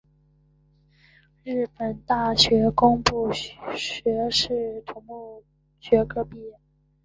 日本大学工学部土木工学科毕业。